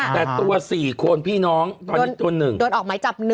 แต่ตัว๔คนพี่น้องตัว๑โดนออกไม้จับ๑